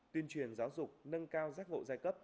tuyên truyền giáo dục nâng cao giác ngộ giai cấp